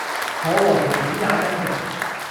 我和桃子也跟著